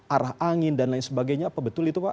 arah angin dan lain sebagainya apa betul itu pak